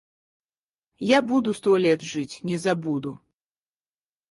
Я буду сто лет жить, не забуду.